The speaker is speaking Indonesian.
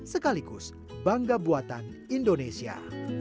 sekaligus bangga buatan indonesia